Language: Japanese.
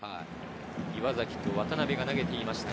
岩崎と渡邉が投げていました。